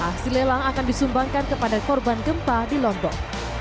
aksi lelang akan disumbangkan kepada korban gempa di lombok